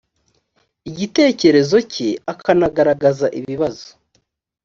igitekerezo cye akanagaragaza ibibazo